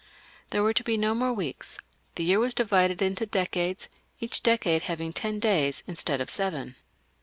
There were to be no more weeks, the year was divided in decades, each decade having ten days instead of seven.